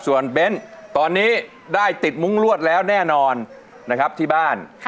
ส่วนเบ้นตอนนี้ได้ติดมุ้งรวดแล้วแน่นอนนะครับที่บ้าน